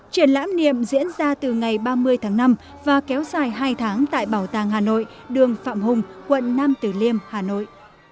triển lãm niệm diễn ra từ ngày ba mươi tháng năm và kéo dài hai tháng tại bảo tàng hà nội đường phạm hùng quận nam tử liêm hà nội